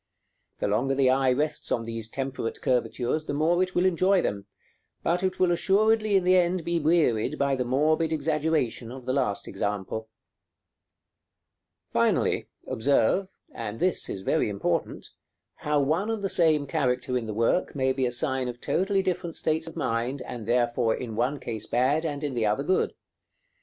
The longer the eye rests on these temperate curvatures the more it will enjoy them, but it will assuredly in the end be wearied by the morbid exaggeration of the last example. [Illustration: Plate II. GOTHIC CAPITALS.] § XIII. Finally, observe and this is very important how one and the same character in the work may be a sign of totally different states of mind, and therefore in one case bad, and in the other good.